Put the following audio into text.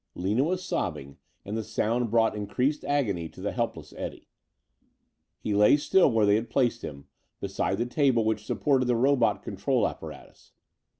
Lina was sobbing and the sound brought increased agony to the helpless Eddie. He lay still where they had placed him, beside the table which supported the robot control apparatus.